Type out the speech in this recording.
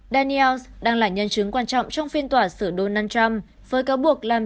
daniels đang là nhân chứng quan trọng trong phiên tòa xử đô năn trump với cáo buộc làm